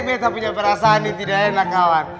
kita punya perasaan yang tidak enak kawan